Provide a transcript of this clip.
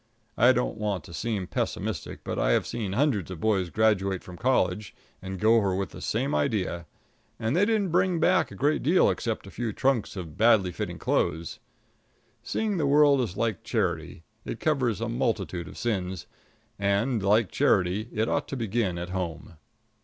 I don't want to seem pessimistic, but I have seen hundreds of boys graduate from college and go over with the same idea, and they didn't bring back a great deal except a few trunks of badly fitting clothes. Seeing the world is like charity it covers a multitude of sins, and, like charity, it ought to begin at home.